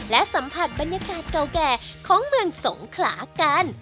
และสัมผัสบรรยากาศเก่าแก่ของเมืองสงขลากัน